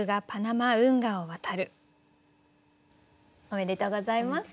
おめでとうございます。